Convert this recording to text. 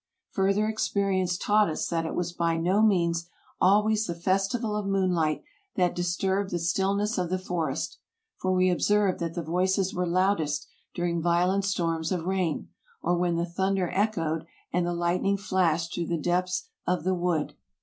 Further experience taught us that it was by no means always the festival of moonlight that disturbed the stillness of the forest; for we observed that the voices were loudest during violent storms of rain, or when the thun der echoed and the lightning flashed through the depths of the wood.